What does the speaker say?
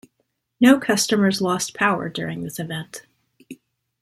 No customers lost power during this event.